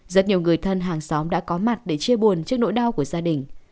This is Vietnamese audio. rất nhiều người thân hàng xóm đã có mặt để chia buồn trước nỗi đau của gia đình